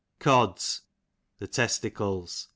Cods, the testicles.